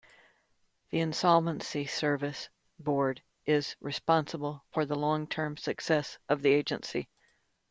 The Insolvency Service Board is responsible for the long-term success of the agency.